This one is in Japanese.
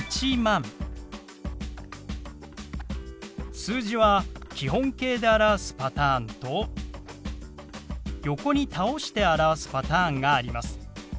数字は基本形で表すパターンと横に倒して表すパターンがあります。